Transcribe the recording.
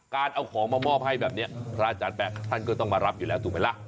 เอาของมามอบให้แบบนี้พระอาจารย์แป๊ะท่านก็ต้องมารับอยู่แล้วถูกไหมล่ะ